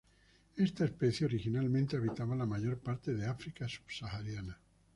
Esta especie originalmente habitaba la mayor parte del África subsahariana.